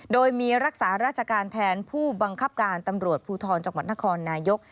โดยมีรักษาราชการแทนผู้บังคับการตำรวจภูทรจังหวัดนครนายก